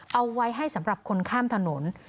เอาไว้ให้สำหรับคนข้ามถนน